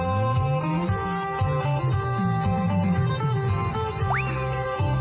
งันเต็มจัง